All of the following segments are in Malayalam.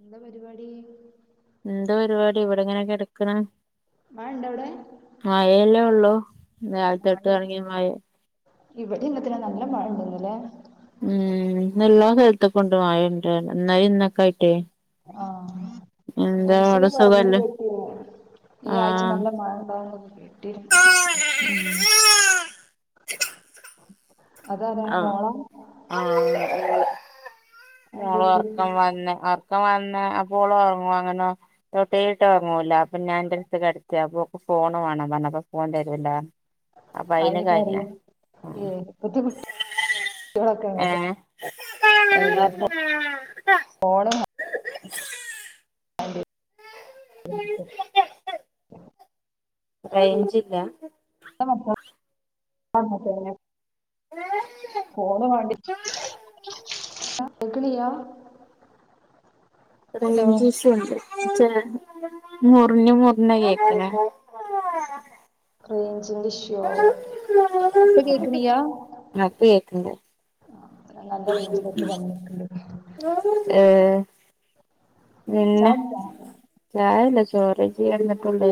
എന്താ പരിപാടി എന്തോ ഒരുപാടി ഇവിടെങ്ങനെ കെടക്കണ് മഴ ഇണ്ടോ അവിടെ മഴെല്ലേ ഉള്ളു നാലത്തെട്ട് ഇറങ്ങി മഴ ഇവിടെ ഇന്നത്തി നല്ല മഴ ഇണ്ടന്നല്ലേ ഉം നല്ലാ സ്ഥലത്ത കൊണ്ട് പോയണ്ട് എന്നാല ഇന്നൊക്കെ ആയിട്ടേ ആ എന്താ മൗസില് അവിടെ പറഞ്ഞ സുഖല്ലേ കെട്ടിയ ഈ ആഴ്ച ആഹ് നല്ല മഴ ഉണ്ടാകുന്ന കിട്ടി ആഹ അതാരാ ആ മോള ആ ർക്ക എന്തേക്കും വർത്താമാന് ആർക്ക വർത്ത അപ്പോളോറങ്ങോ അങ്ങനോ തൊട്ടേട്ടോ ഇറങ്ങൂല അപ്പൊ ഞാൻ കിടത്തി ഫോൺ വേ ആ പറഞ്ഞപ്പോ പോകേണ്ടരല്ല ആയിക്കറിയ ഏ പുതി കുട്ടികളെക്കെ അങ്ങനെ തന്നെ ആ ആ ഫോണ് [inaudible] [inaudible] റെഞ്ചില്ല [unintelligible] [unintelligible] [inaudible] ഫോണ് വാടിച്ച് കേൾക്കണില്ല. ഹലോ റേഞ്ച്ഇഷ്യൂ ഉണ്ട് ചെറിയ മുറിഞ്ഞ് മുറിഞ്ഞ കേൾക്ക്ണ് റേഞ്ചിന്റെ ഇഷ്യൂ ആവും ഇപ്പൊ കേൾക്ക്ണില്ല്യാ ഇപ്പ കേക്ക്ണ്ട് നല്ല റേഞ്ചിലൊക്കെ വന്നിട്ടുണ്ട് ഏഹ് പിന്നെ ചായ കുടിച്ചോ ചായ അല്ല ചോറ് പിന്നെന്തൊക്കെണ്ട്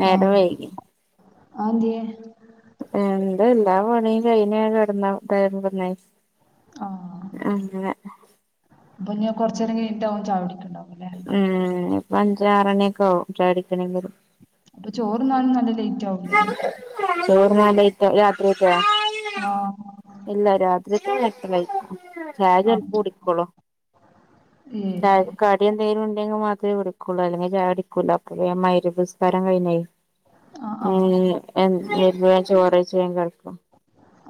നേരം വൈകി അതെന്തേയ് എന്താ എല്ലാ പണിയും കഴിഞ്ഞാ കെടന്നേ അങ്ങനെ അപ്പ ഞാ കുറച്ച് നേരം കഴിഞ്ഞിട്ടാവും ചായ കുടി ഉം ഇപ്പ അഞ്ച് ആറ് മണിയൊക്കെ ആകും ചായകുടിക്കാണെങ്കിൽ അപ്പൊ ചോറ് ഉണ്ണാനും നല്ല ലേറ്റ് ആവ ആവൂല്ലേ ചോറ് ഉണ്ണാൻ ലേറ്റ് ആ രാത്രിയൊത്തെ ആഹ് ഇല്ല രാത്രിയൊത്തെ ഒരു എട്ടുമണി ചായ ആഹ് ചിലപ്പം കുടിക്കോളൂ ഏഹ് ചായ കടി എന്തെങ്കിലും ഉണ്ടെങ്കിൽ മാ കുടിക്കൂള്ള അല്ലെങ്കിൽ ചായ കുടിക്കുല അപ്പ മഗ്‌രിബ് നിസ്കാരം കഴിഞ്ഞു ആ ആ വേഗം ചോറ് കഴിച്ചങ്ങ് കെടക്കും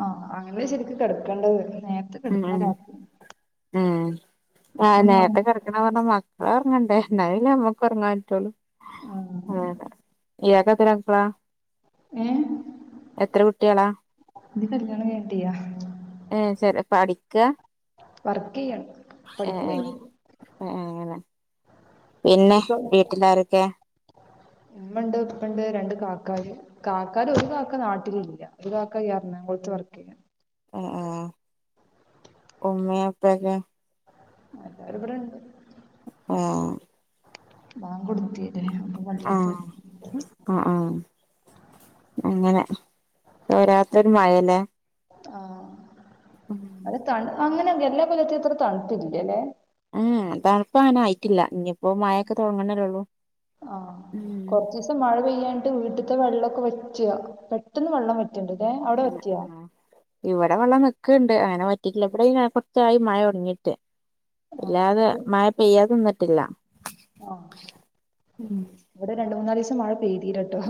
ആ അങ്ങനെ ശരിക്കും കിടക്കേണ്ടത് നേരത്തെ ഉം ഉം കിടക്കണം രാത്രി ഉം ആ നേരത്തെ കിടക്കണ നല്ലത് മക്കളുറങ്ങണ്ടേ എന്നലലോ നമ്മുക്ക് ഉറങ്ങാൻ പറ്റുള്ളൂ ആഹ് അതെ ഇയാൾക്ക് ഏഹ് എത്ര കുട്ടികളാ എന്റെ കല്യാണം കഴിഞ്ഞിട്ടില്ല ഏ ശരി പഠിക്ക വർക്ക് ചെയ്യാണ് ഏ പഠിപ്പ് ഏ കഴിഞ്ഞു ഏങ്ങനെ പിന്നെ ഇപ്പൊ വീട്ടിലാരൊക്കെ ഉമ്മണ്ട് ഉപ്പണ്ട് രണ്ട് കാക്കാ കാക്കര് ഒരു കാക്ക നാട്ടിലില്ല ഒരു കാക്ക എറണാകുളത്ത് ത്ത് വർക്ക് ചെയ്യ അ അ ഉമ്മയും ഉപ്പക്കെ എല്ലാരും ഇവിടേണ്ട് ആ ബാങ്ക് കൊടുത്ത് ആ ആ ആ അങ്ങനെ തോരാത്തൊരു മഴല്ലേ ആ ഉം അങ്ങനെ എല്ലാ കൊല്ലത്തയും അത്ര തണുപ്പിലല്ലേ ആ തണപ്പങ്ങനെ ആയിട്ടില്ല ഇനി ഇപ്പൊ മഴൊക്കെ തുടങ്ങണല്ലേള്ളൂ ആഹ് മ് കൊറച്ച് ദിവസം മഴ പെയ്യാണ്ട് വീട്ടിത്തെ വെള്ളമൊക്കെ വെറ്റുക പെട്ടെന്ന് വെള്ളം വെറ്റ ഇവിടെ വെള്ളം വ നിൽക്ക്ണ്ട് അങ്ങനെ വറ്റിയിട്ടില്ല ഇവിടെ കുറച്ചായി മഴ തുടങ്ങിയിട്ട് ആഹ് അല്ലാതെ മഴ പെയ്യാതെ നിന്നിട്ടില്ല ആ ഉം ഇവിടെ രണ്ട്മൂന്നാലിസം മഴ പെയ്തിലട്ടോ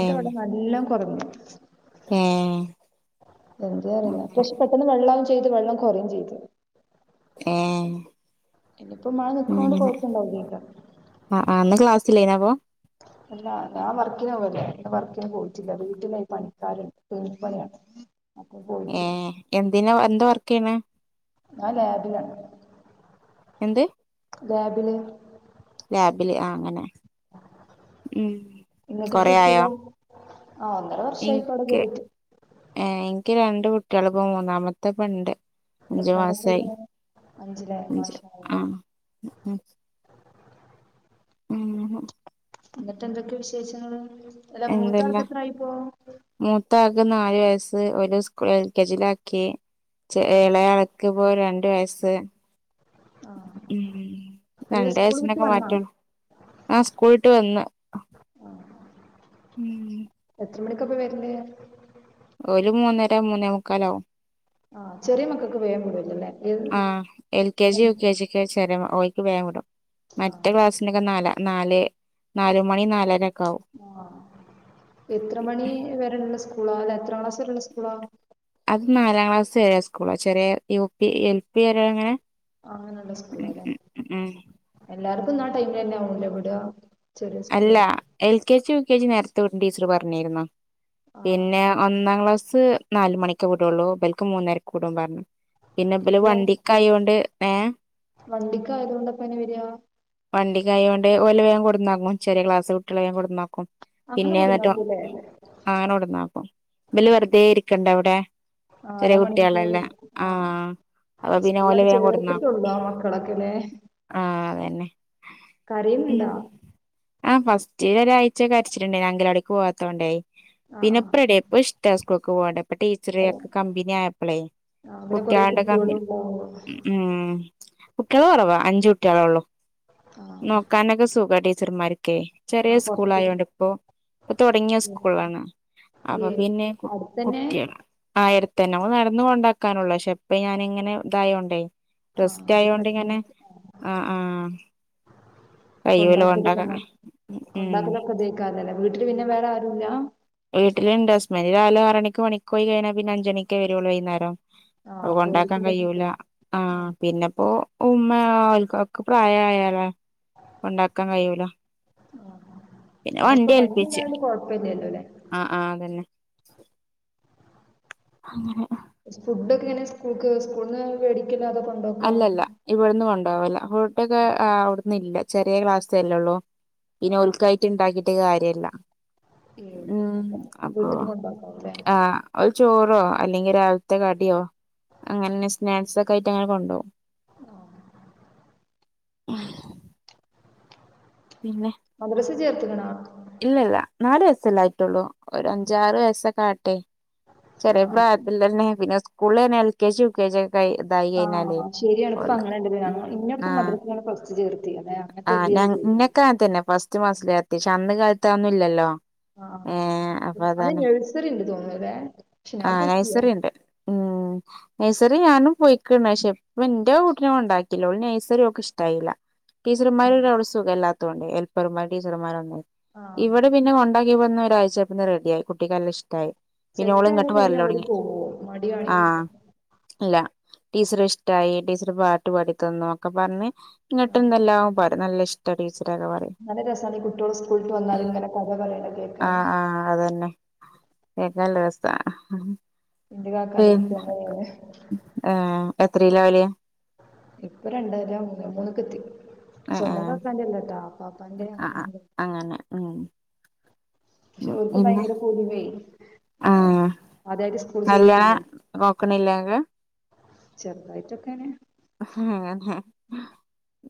ഏ വെള്ളം നല്ലോം കുറഞ്ഞു ഏ എന്തെ അറിയില്ല പക്ഷെ പെട്ടെന്ന് വെള്ളം വെള്ളം കുറയും ചെയ്ത് ഏഹ് ഇനിപ്പോ മഴ നിക്ക്നൊണ്ട് കുഴപ്പുണ്ടാവില്ലായിരിക്കും ഇല്ലായിരിന്നപ്പോ അല്ല ഞാൻ വർക്കിന് പോവല്ലേ ഇന്ന് വർക്കിന് പോയിട്ടില്ല വീട്ടിലേ പണിക്കാരുണ്ട് വീട്പ്പണിയാണ് ഏ എന്തിന് എന്താ വർക്ക് ചെയ്യുന്നേ ഞാൻ ലാബിലാണ് എന്ത് ലാബില് ലാബില് ആ അങ്ങനെ ഉ നിങ്ങക്കെത്ര കൊറെ ആയോ കുട്ടികളാ ആ ഒന്നര വർഷമായിപ്പ അവിടെ എനിക്ക് കേറീട്ട് ഏ എനിക്ക് രണ്ട് കുട്ടികള് ഇപ്പം മൂന്നാമത്തെ ഇപ്പ ഉണ്ട് എത്രാം ക്ലാസ്സിലാ അഞ്ചുമാസായി പഠിക്കണേ അഞ്ചിലേ അഞ്ച് മാഷാ അള്ളാ ആ ഉം ഉം ഉം ഹ് എന്നിട്ട് എന്തൊക്കെ വിശേഷങ്ങള് അല്ല മൂത്താൾക്ക് എത്ര ആയിപ്പോ ക്ക് നാല് വയസ്സ് ഒരു സ്കൂളിൽ എൽ കെ ജി ലാക്കി ആ ഇളയാക്ക് ഇപ്പൊ രണ്ട് ഒര് വയസ് ഉം അല്ല രണ്ട് സ്കൂൾ വിട്ട് അച്ചനൊക്കെ വന്നാ മാറ്റള്ളൂ ആ സ്കൂൾ വിട്ട് വന്ന് ഉം എത്ര മണിക്കപ്പോ വരണെ ഒരു മൂന്നര മൂന്നേ മുക്കാലാവും ആ ചെറിയ മക്കൾക്ക് വേഗം വിടുവല്ലല്ലേ ഏത് ആ എൽ കെ ജി യു കെജിക്ക് ചേരുമ്പോ ഓയ്ക്ക് വേൻ വിടും ആ മറ്റേ ക്ലാസ്സിന് ഒക്കെ നാല നാല് നാല് മണി നാലര ഒക്കെ ആവും ആ എത്ര മണി വരുള്ള സ് സ്കൂളാ അല്ലെ എത്ര ക്ലാസ്സ് വരെള്ള സ്കൂളാ അത് നാലാം ക്ലാസ് വരെ സ്കൂളാ ചെറിയ യു പി എൽ പി വരെ അങ്ങനെ ആ നല്ല ഉം സ്കൂളാല്ലേ ഉം ഉം എല്ലാർക്കുംന്ന ടൈമില്ന്നെ ആവണല്ലോ വിടുക ചെറിയ അല്ല സ്കൂളുകൾ L K G U K G നേരത്തെ വിടും ടീച്ചറ് പറഞ്ഞിരുന്നു ആ പിന്നെ ഒന്നാം ക്ലാസ് നാല് മണിക്ക് വിടുള്ളൂ ഇവൾക്ക് മൂന്നരക്ക് വിടുന്ന് പറഞ്ഞു പിന്നെ ഇവല് അല്ല വണ്ടിക്ക് ആയോണ്ട് ഏ വണ്ടിക്ക് ആയതുകൊണ്ടപ്പനെ വരികാ ടെ വല്ല വേഗം കൊണ്ടന്നാക്കും ചെറിയ ക്ലാസ്സ് കുട്ടിയോളെ വേഗം കൊണ്ടന്നാക്കും അങ്ങനെ പിന്നെ എന്നിട്ടോ കൊടുങ്ങാത്തൂല്ലേ ആങ്ങനകൊണ്ടന്നാക്കും വല്യ ഉം. വെറുതെ ഇരിക്കണ്ട ഇവിടെ ആ ചെറിയ അരമണിക്കൂർ കുട്ടികളല്ലേ ആ ആാാാ അപ്പൊ പിന്നെ ഓലെ സ്കൂളാണ് വേഗം കൊണ്ടന്നാക്കും ചേർത്തിട്ടുള്ളൂ ആ മക്കളൊക്കെല്ലേ ആ അതുതന്നെ കരയുന്നുണ്ടാ ആ ഫസ്റ്റ് ഒരാഴ്ച കരച്ചിലുണ്ട് അംഗനവാടിക്ക് പോവാത്തോണ്ടേ ആ ആ പിന്നിപ്പ റെഡിയായി ഇപ്പ ഇഷ്ട സ്കുളി ഇപ്പ അവിടെ ടീച്ചറൊക്കെ കമ്പനി ആയപ്പളെ ആ പിന്നെ കുറെ കുട്ടികളുടെ കുട്ടികളും കമ്പനി ഉണ്ടാവും ഉ... കുട്ടികള് കുറവാ അഞ്ചു കുട്ടികളേള്ളു ആ നോക്കാനൊക്കെ സുഖാ ടീച്ചർമാര് ക്കെ ആ ചെറിയ സ്കൂൾ കുറച്ച് കുട്ടി ആയോണ്ട് ഇപ്പോ ഇപ്പൊ തൊടങ്ങിയ സ്കൂളാണ് അപ്പൊ ഏ പിന്നെ കു അടുത്തന്നെ കുട്ടികൾ ആയിരതന്നെ നട ഒന്നും ഉണ്ടാക്കാനുള്ളൂ ക്ഷെ ഇപ്പ ഞാനിങ്ങനെ ഇതായോണ്ടെ ആ റെസ്റ്റ് അത് പ്രശ്നം ആയോണ്ടിങ്ങനെ ആ ആ കയ്യുമ്മേല് [inaudible] കൊണ്ടാത്തതൊക്കെ ഇതക്കാതല്ലെ വീട്ടിൽ പിന്നെ വേറെ ആരൂല്ല വീട്ടിലുണ്ട് അസ്മന് രാവില് ആറണിക്ക് പണിക്ക് പോയി കഴിഞ്ഞാ പിന്നെ അഞ്ചണിക്കേ വരൂള്ളു വൈകുന്നേരം ആ അ കൊണ്ടാക്കാൻ പേർക്കും പറ്റും കഴിയൂല്ലാ ആ പിന്നെപ്പോ ഉമ്മ ആൾക്കാക്ക് പ്രായമായാല ഉണ്ടാക്കാൻ കഴിയൂല്ലാ ആ പിന്നെ വണ്ടി ഏൽപ്പിച്ചു അല്ലേ അ ആ അതന്നെ അങ്ങനെ ഫുഡ് ഒക്കെ എങ്ങനെ സ്കൂൾക്ക് സ്കൂളിന്ന് വേ അല്ലല്ല ഇവിടന്ന് കൊണ്ടുപോവില്ല ഫുഡൊക്കെ അവിടന്ന് ഇല്ല ചെറിയ ക്ലാസ്സല്ലേള്ളൂ പിന്നെ ആ ഉൽക്കായിട്ട് ഉണ്ടാക്കിട്ട് കാര്യല്ല ഏഴ് മ്മ് അപ്പൊ അപ്പോ വീട്ടിക്ക് കൊണ്ടാക്കാവൂല്ലേ ആ ചോറോ അല്ലെങ്കിൽ രാവിലത്തെ കടിയോ അങ്ങനെെ സ്നാക്സ് ഒക്കെ ആയിട്ട് അങ്ങനെ കൊണ്ടോകും [unintelligible] [unintelligible] പിന്ന [unintelligible] ചേർത്തിക്ക് ണാ ഇല്ല ഇല്ല നാാലു വയസ്സല്ല ആായിട്ടുള്ളൂ ഒരു അഞ്ചാറ് വയസ്സൊക്കെ ആട്ടെ ചെറിയെ ആഹ് പ്രായത്തില്ലന്നെ പിന്നെ സ്കൂളന്നെ L K G U KG ക ഇതായി കഴിഞ്ഞാലേ ആഹ് ശരിയാണ് ഇപ്പൊ അങ്ങനെണ്ടല്ലേ ഞങ്ങ [unintelligible] ഇന്നൊക്കെ ആ മദ്രസയിലാണ് ഫസ്റ്റ് ചേർത്തിയെ അതെ അങ്ങനത്തെ ആ ഒരു ഞാ ഇതിലാണ് ഇന്നെ ചോദിച്ചത് കാത്തന്നെ ഫസ്റ്റ് മാസിലത്തിക്ഷ അന്ന് കാലത്തഅ ഒന്നുംല്ലല്ലോ ആ അത് ഴ്സറി ഉണ്ട് തോന്നതെ ആ നൈസറി ഉണ്ട് മ് നൈസറി ഞാനും പോയിക്ക പക്ഷെ ഇപ്പ എന്റെ കൂട്ടിനെ ഉണ്ടാക്കല്ല നൈസറി ഒക്കെ ഇഷ്ടായില്ല ടീച്ചർമാരുരത്സുഖം എല്ലാത്തുകൊണ്ട് ഹെൽപ്പർമാർ ടീച്ചർമാര ആഹ് ഇവിടെ പിന്നെ കൊണ്ടാക്കി പോകുന്ന ഒഴ്ചപ്പ റെഡിയായി കുട്ടിക്കെല്ലാം ഇ്ടമായി സെറ്റ ആയ പിന്നെ അവര് പോകും മടികാണിക്കില്ല അല്ല ടീച്ചർ ഇഷ്ടമായി ടീച്ചർ പാട്ടു പഠിത്തന്ന ഒക്കെ പറഞ്ഞ് ന്നങ്ങിട്ടന്ന എല്ലാവും പറ നല്ല ഇഷ്ട ടീച്ചറക്കെ പറയും നല്ല രസാണ് ഈ കുട്ടിയോള് സ്കൂൾ വിട്ട് വന്നാല് ഇങ്ങനെ കഥ പറയണ കേൾക്കാന് ആഹ് ആഹ് അതന്നെ കേക്കാൻ നല്ല രസാ ഇന്റെ പി കാക്കാന്റെ കുട്ടി അങ്ങനെയാണ് ആഹ് എത്രേല ഓല്. ഇപ്പൊ രണ്ടര മൂന്ന മൂന്നക്കെ എത്തി. ഏഹ് സ്വന്തം ഏഹ് കാക്കാന്റെല്ലട്ടോ അപ്പാ അപ്പാന്റെ ആഹ് ആഹ് അങ്ങനെ അങ്ങനെ ഉം പക്ഷെ ഉം അവർക്ക് പിന്നെ ഭയങ്കര പൊതുമായി ആഹ് ആദ്യായിട്ട് സ്കൂൾ ചേർക്കില്ല. നോക്കണില്ലേങ്കെ ചെറുതായിട്ടൊക്കെയാണ്. അഹ് ഹ്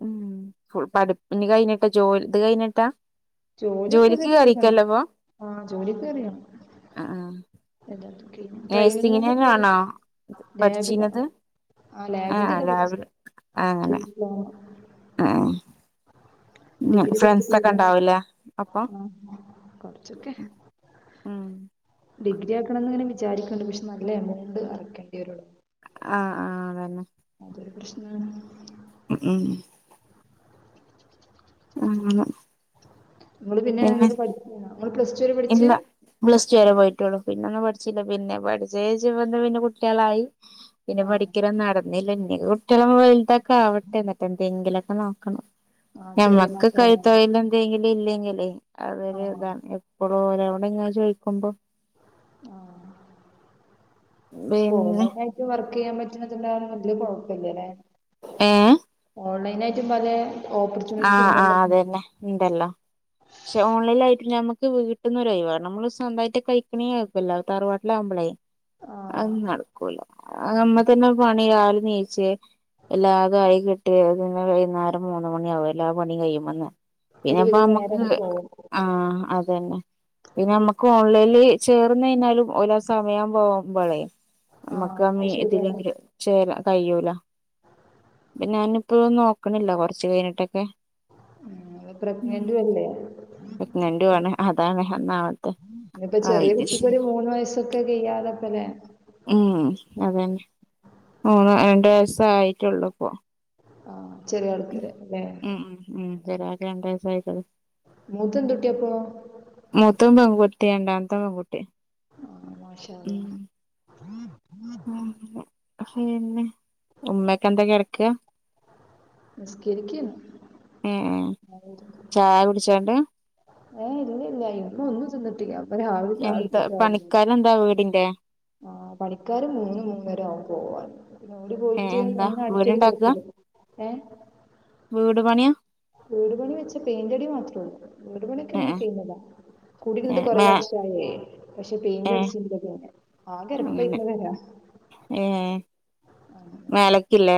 ഹിം. മ് പഠിപ്പന് കഴിഞ്ഞിട്ടാ ജോലി ഇത് കഴിഞ്ഞിട്ടാ ജോലിയൊക്കെ ജോലിക്ക് കിട്ടിക്ക്ണ് കേറിക്കല്ലോ ഇപ്പൊ ആ ജോലിയൊക്കെ കേറി. ആഹ് ആഹ് ട്രൈനിങ്ങിന് കേറി നേഴ്സിങ്ങിനെന്നാണോ ലാബിലാ. പഠിച്ചീനത് ആ ആഹ് ലാബിന്റെത ആഹ് പഠിച്ചേ രാവിലെ അങ്ങനെ ഡിപ്ലോമ. ഡിഗ്രി ഫ്രണ്ട്സ് ഒക്കെ പഠിച്ചിട്ടില്ല ഉണ്ടാവലെ അപ്പൊ. ആഹ് കൊറച്ചൊക്കെ മ് ഡിഗ്രി ആക്കണംന്ന് ഇങ്ങനെ വിചാരിക്കുന്നുണ്ട് പക്ഷെ നല്ല എമൗണ്ട് അറക്കേണ്ടി വരുള്ളൂ. ആഹ് ആഹ് അതന്നെ. പ്രശ്നാണ്. മ്മ്. മ്മ്. നിങ്ങള് പിന്നെ എന്തിലും പഠിച്ചിനോ ഇവള് പ്ലസ് ടു വരെ പഠിച്ചെ ഇല്ല ബ്ലസ്ട്ടു വരെ പോയി. പ പിന്ന ഒന്നും പഠിച്ചില്ല പിന്നെ പഠിച്ച പിന്നെ [unintelligible] കുട്ടികളായി പിന്നെ ആഹ് പഠിക്കറ നട ന്നില്ല ഇനി കുട്ടികളോക്കെ വലുതൊക്കെ ആവട്ടെ എന്നിട്ടെന്തെങ്കിലും ഒക്കെ നോക്കണം. ആഹ് ചെറിയ ഞമ്മക്ക് കൈ മക്കളല്ലേ തൊഴിൽ എന്തെങ്കിലും ഇല്ലെങ്കിലേ അതൊരു ആഹ് ഇതാണ്. ഓരോടെ ഇങ്ങനെ ചോദിക്കുമ്പോ ആ പിന്നെ ഓൺലൈന ആയിട്ട് വർ ക്കെയ്യാൻ പറ്റുന്നൊണ്ട് ഇണ്ടയോണ്ട് വെല്യ കുഴപ്പല്ലല്ലേ ഏഹ് ഓൺലൈനായിട്ടും പലെ ആഹ് ആഹ് അതന്നെ ഉണ്ടല്ലോ പക്ഷെ ഓൺലൈൻ ആയിട്ട് ഞമ്മ വീട്ടന്നൊരായിണം നമ്മള് സ്വന്തമായിട്ട് കഴിക്കണി ആക്കല്ല തറുവാട്ടില ആവുമ്പളേ അത് ആഹ് നടക്കൂല നമ്മ അതെ തന്നെ പണി [unintelligible] ചെ എല്ലാതും ആയി കിട്ടി [unintelligible] വൈകുന്നേരം മൂന്ന് മണിയാകും എല്ലാ പണിയും കഴിയുമ്പന്ന പിന്നെപ്പ ഒരുവിധം ഞമ്മക്ക് നേരങ്ങ് പോവും ആ അതന്നെ പിന്നെ ഞമ്മക്ക് ഓൺലൈനി ഇതില് ചേർന്നയിഞ്ഞാലും ഓലാസമയാവുമ്പൊ [unintelligible] ആഹ് നമ്മക്കാമ്പി അത് ശരിയാണ് ഇതിലെങ്കിൽ ചേരാ. കയ്യൂല പിന്നെ ഞാനിപ്പോന്നും നോക്കണില്ല കുറച്ച് കഴിഞ്ഞിട്ടിക്കെ മം പ്രഗ്നന്റും അല്ലേ? പ്രഗ്നെന്റു ആണ് അതാണ് ഒന്നാമത്തെ ഇനിപ്പോ ചെറിയ അത് ശരി കുട്ടിക്കൊരു മൂന്ന് വയസൊക്കെ കെയ്യാതപ്പലെ ഉം അതന്നെ മൂന്ന് രണ്ട് വയസായിട്ടൊള്ളുപ്പം. ആ ചെറിയ ആൾക്ക്ലേ? ഉം ഉം രണ്ട് വയസായതേള്ളു. മൂത്തന്തുട്ടിയാപ്പോ? ട്ടി രണ്ടാമത്തെ പെൺകുട്ടി. ആ മാഷാ അള്ളാ. [inaudible] ഉമ്മക്കെന്തെയ് കെടക്ക? നിസ്കരിക്കാണ്. ചായ കുടിച്ചാണ്ട് ഏ ഇല്ല ഇല്ല ഇന്ന് ഒന്നും തിന്നിട്ടില്ല ഇപ്പോ രാവിലെ എന്താ ചായുടിചിട്ടുള്ളു. പണിക്കാരെന്താ വീടിന്റെ ആ പണിക്കാര് മൂന്ന് മൂന്നര ആക്കും പോവാൻ. ഓര് ഏ പോയിട്ട് എന്താ ഒന്ന് അടിച്ചോരി വീട്ണ്ടാക്ക തൊടച്ചിടും ഏ ട് പണിയാ വീട് പണി വെച്ച് പെയിന്റടി മാത്രള്ളൂ വീട് പണിയൊക്കെ ഏ എന്നോ കയിഞ്ഞതാ. ഏ കുടിരുന്നിട്ട് കൊറേ മേ വർഷായെ പക്ഷെ ഏ പെയിന്റ്ടിച്ചീന്നിലതുവരെ ആകെ അങ്ങനെ എരപ്പായിക്ക്ണ് പെര. ഏ മേലക്കില്ലേ?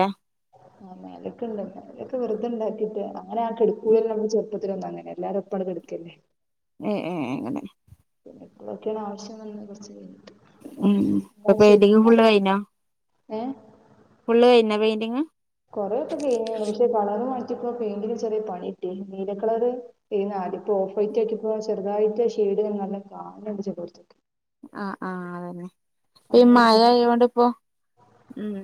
ആ മേലൊക്കെണ്ട് മേലൊക്കെ വെറുതെണ്ടാക്കിട്ട് അങ്ങനെ ആ കെടുക്കൂലല്ലോ ചെ [unintelligible] എല്ലാരും പ്പങ്ങ്ട് ഇട്ക്കന്നേ ഏ ഏ അങ്ങനെ. പിന്നെപ്പഴൊക്കെയാണ് ആവശ്യം വന്ന കുറച്ച് കഴിഞ്ഞ മ് ഇപ്പൊ പെയിന്റിങ്ങ് ഫുൾ കഴിഞ്ഞോ? ഏ ഫുള് കഴിഞ്ഞ പെയിന്റിങ്? കൊറെേ ഒക്കെ കയിഞ്ഞു പക്ഷെ കളറ് മാറ്റിയപ്പോ പെയിന്റിന് ചെറിയ പണി കിട്ടി നീലകളർ ഗ്രീനാ അതിപ്പൊ ഓഫ് വൈറ്റാക്കിയപ്പോ ചെറുതായിട്ട് ഷെയ്ഡ് നല്ലോം കാണ് ണ് ണ്ട്ചെലോട്ത്. ആ ആ അതന്നെ. ഇ അങ്ങനെയൊക്കെ മയ ആയോണ്ടിപ്പൊ ഉം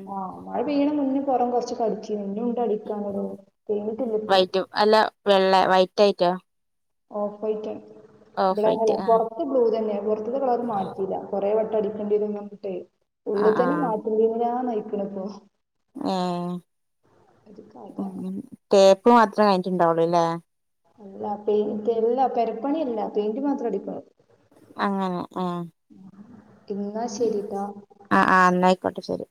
പുറം കൊറച്ച് [unintelligible] ഇഞ്ഞുണ്ട് അടിക്കാനെടോ കയിഞ്ഞിട്ടില്ല ഇപ്പളും. വെള്ളേ വൈറ്റായിറ്റോ ഓഫ് വൈറ്റ ഇബടെ വൈറ്റ് ആ പൊറത്ത് ബ്ലൂ തന്നെ പൊറത്ത്ത്തെ കളർ മാറ്റീല്ല കൊറേ വെ ടടിക്കണ്ടീന്നു [unintelligible] ആ ഉള്ള് ആ തന്നെ മാറ്റണ്ടീന്നിലാനയിക്ക്ണ് പ്പൊ ഏ കഥ മ്മ് തേപ്പ് മാത്രേ കഴിട്ടുണ്ടാവുള്ളൂല്ലേ? അല്ല പെയിന്റ് അല്ല പെരപ്പണിയല്ല പെയിന്റ് മാത്രം അടിക്ക്ണ് ആ ആ ഇന്നാ ശരിട്ടാ അ ആ ഇന്നായിക്കോട്ടെ ശരി.